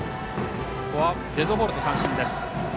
デッドボールと三振です。